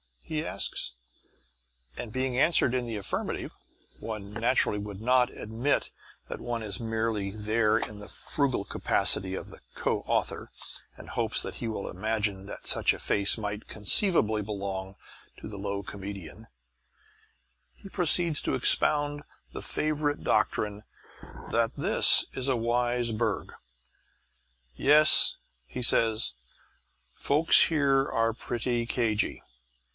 he asks; and being answered in the affirmative (one naturally would not admit that one is merely there in the frugal capacity of co author, and hopes that he will imagine that such a face might conceivably belong to the low comedian) he proceeds to expound the favourite doctrine that this is a wise burg. "Yes," he says, "folks here are pretty cagy.